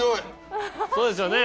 そうですよね。